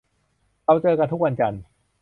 เราเจอกันทุกวันจันทร์